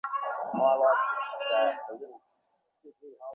এক দিকে আশ্রিতবাৎসল্যে যেমন অকৃপণতা, আর-এক দিকে ঔদ্ধত্যদমনে তেমনি অবাধ অধৈর্য।